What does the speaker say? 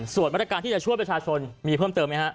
ส่วนมาตรการที่จะช่วยประชาชนมีเพิ่มเติมไหมฮะ